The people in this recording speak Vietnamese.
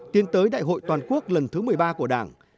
tiến tới đại hội toàn quốc lần thứ một mươi ba của đảng